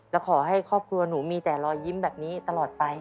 และขอให้ครอบครัวหนูมีแต่รอยยิ้มแบบนี้ตลอดไป